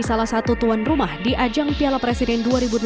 salah satu tuan rumah di ajang piala presiden dua ribu delapan belas